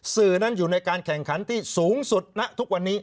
สื่อนั้นอยู่ในการแข่งขันที่สูงสุดณทุกวันนี้